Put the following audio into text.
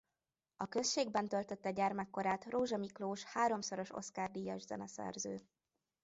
A községben töltötte gyermekkorát Rózsa Miklós háromszoros Oscar-díjas zeneszerző.